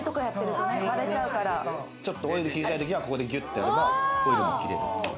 ちょっとオイル切りたいときはここでギュッとやればオイルも切れる。